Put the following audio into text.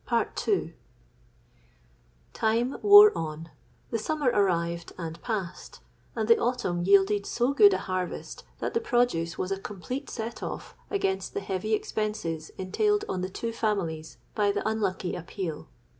"Time wore on; the summer arrived and passed; and the autumn yielded so good a harvest that the produce was a complete set off against the heavy expenses entailed on the two families by the unlucky appeal.